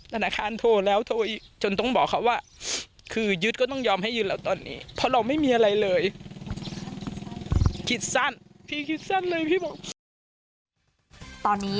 ธนาคารโทรแล้วโทรจนต้องบอกเขาว่าคือยึดก็ต้องยอมให้ยืนแล้วตอนนี้